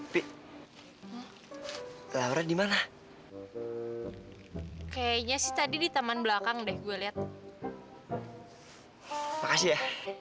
fitur dimana kayaknya sih tadi di taman belakang deh gue lihat makasih ya